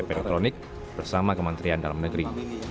elektronik bersama kementerian dalam negeri